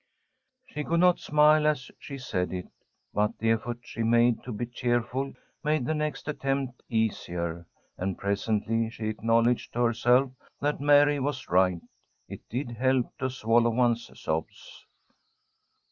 She could not smile as she said it, but the effort she made to be cheerful made the next attempt easier, and presently she acknowledged to herself that Mary was right. It did help, to swallow one's sobs.